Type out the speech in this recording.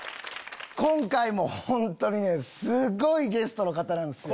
今回も本当にすごいゲストの方なんですよ。